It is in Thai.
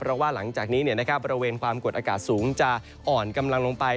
เพราะว่าหลังจากนี้บริเวณความกดอากาศสูงจะอ่อนกำลังลงไป